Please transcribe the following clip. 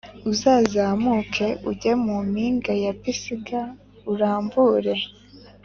Uzazamuke ujye mu mpinga ya Pisiga urambure